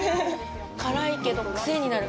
辛いけどクセになる。